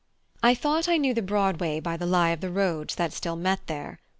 I thought I knew the Broadway by the lie of the roads that still met there.